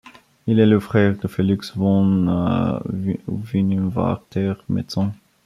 Il est le frère de Felix von Winiwarter, médecin.